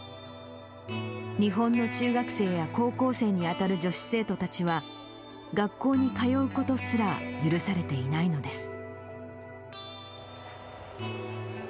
日本の中学生や高校生に当たる女子生徒たちは、学校に通うことすら許されていないのです。